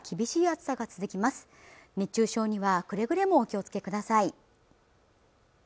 熱中症にはくれぐれもお気をつけください